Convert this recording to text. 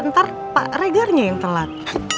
ntar pak regarnya yang telat